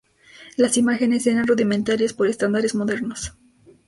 Las imágenes eran rudimentarias por estándares modernos.